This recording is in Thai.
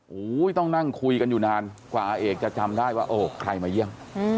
โอ้โหต้องนั่งคุยกันอยู่นานกว่าอาเอกจะจำได้ว่าเออใครมาเยี่ยม